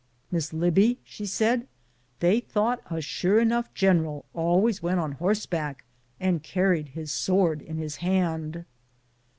"Miss Libbie," she said, "they thouglit a sure enough gen'l always went on horseback and carried his sword in his hand."